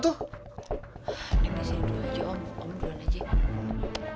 neng di sini dulu aja om